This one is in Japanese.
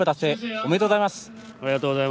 ありがとうございます。